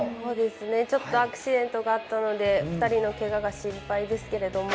ちょっとアクシデントがあったので、２人のけがが心配ですけれども。